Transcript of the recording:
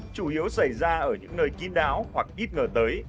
chủ yếu xảy ra ở những nơi kín đáo hoặc ít ngờ tới